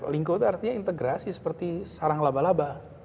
lingku itu artinya integrasi seperti sarang laba laba